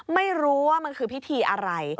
ไม่รู้ว่ามันคือพิธีอะไร